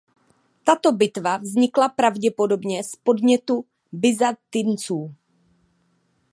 Tato bitva vznikla pravděpodobně z podnětu Byzantinců.